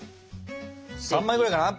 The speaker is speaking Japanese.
３枚ぐらいかな？